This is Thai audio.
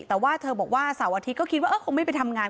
แต่ว่าเธอบอกว่าเสาร์อาทิตย์ก็คิดว่าคงไม่ไปทำงาน